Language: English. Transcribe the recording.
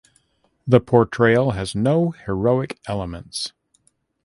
The portrayal has no heroic elements.